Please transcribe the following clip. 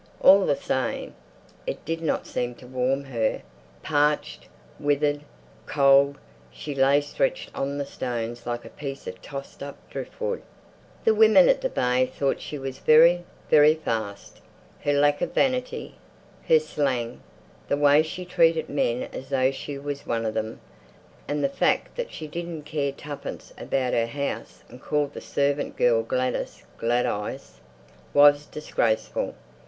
All the same, it did not seem to warm her. Parched, withered, cold, she lay stretched on the stones like a piece of tossed up driftwood. The women at the Bay thought she was very, very fast. Her lack of vanity, her slang, the way she treated men as though she was one of them, and the fact that she didn't care twopence about her house and called the servant Gladys "Glad eyes," was disgraceful.